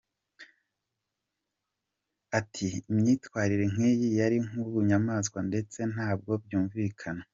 Ati “Imyitwarire nk’iyi yari nk’ubunyamaswa ndetse ntabwo byumvikana.